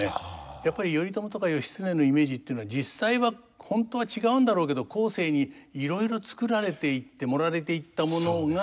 やっぱり頼朝とか義経のイメージっていうのは実際は本当は違うんだろうけど後世にいろいろ作られていって盛られていったものが。